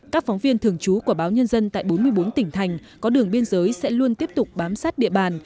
các phóng viên thường trú của báo nhân dân tại bốn mươi bốn tỉnh thành có đường biên giới sẽ luôn tiếp tục bám sát địa bàn